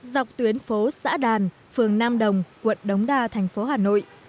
dọc tuyến phố xã đàn phường nam đồng quận đống đa thành phố hà nội